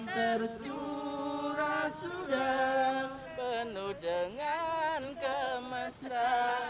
tercurah sudah penuh dengan kemasra